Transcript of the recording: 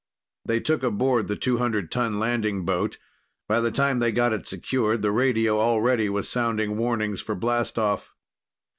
They took aboard the 200 ton landing boat. By the time they got it secured, the radio already was sounding warnings for blastoff.